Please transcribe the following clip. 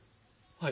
はい？